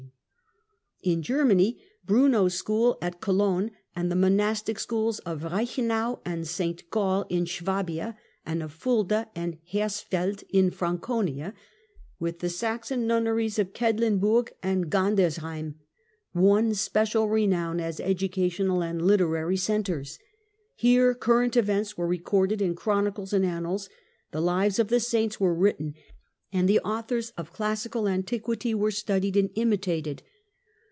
I 68 THE CENTRAL PERIOD OF THE MIDDLE AGE In Germany, Bruno's school at Cologne, and the monastic schools of Eeichenau and St Gall in Swabia, and of Fulda and Hersfeld in Franconia, with the Saxon nunneries of Quedlinburg and Gandersheim, won special renown as educational and literary centres. Here current events were recorded in chronicles and annals, the lives of the saints were written, and the authors of classical antiquity were studied and imitated.